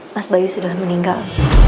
mas bayu sudah meninggal